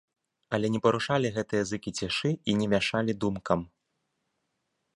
Але не парушалі гэтыя зыкі цішы і не мяшалі думкам.